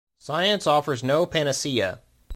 Science offers no panacea.